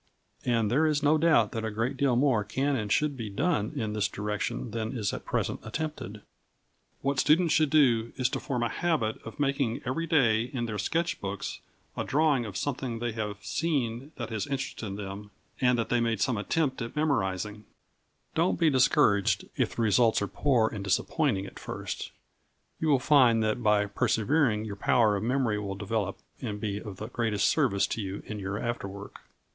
And there is no doubt that a great deal more can and should be done in this direction than is at present attempted. What students should do is to form a habit of making every day in their sketch book a drawing of something they have seen that has interested them, and that they have made some attempt at memorising. Don't be discouraged if the results are poor and disappointing at first you will find that by persevering your power of memory will develop and be of the greatest service to you in your after work.